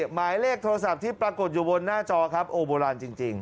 หมายเลขโทรศัพท์ที่ปรากฏอยู่บนหน้าจอครับโอ้โบราณจริง